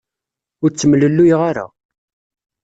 Ur ttemlelluyeɣ ara.